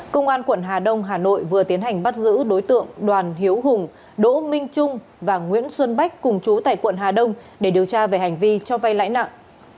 công an quận hà đông hà nội vừa tiến hành bắt giữ đối tượng đoàn hiếu hùng đỗ minh trung và nguyễn xuân bách cùng chú tại quận hà đông để điều tra về hành vi cho vay lãi nặng